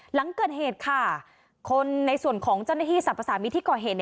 หลังเกิดเหตุค่ะคนในส่วนของเจ้าหน้าที่สรรพสามิตรที่ก่อเหตุ